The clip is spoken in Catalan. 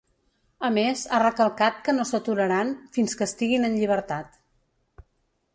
A més, ha recalcat que no s’aturaran ‘fins que estiguin en llibertat’.